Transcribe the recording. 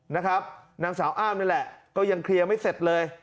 นางสาวอ้ามนี่แหละก็ยังเคลียร์ไม่เสร็จเลย